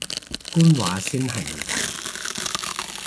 官話先係問題